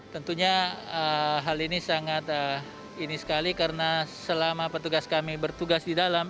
tentunya hal ini sangat ini sekali karena selama petugas kami bertugas di dalam